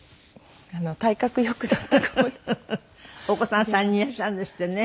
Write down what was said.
お子さん３人いらっしゃるんですってね。